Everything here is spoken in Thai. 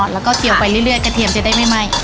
แล้วก็เจียวไปเรื่อยกระเทียมจะได้ไม่ไหม้